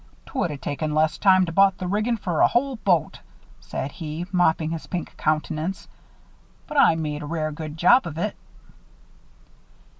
"'Twould a taken less time to bought the riggin' fer a hull boat," said he, mopping his pink countenance. "But I made a rare good job of it."